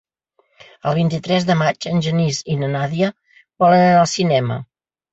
El vint-i-tres de maig en Genís i na Nàdia volen anar al cinema.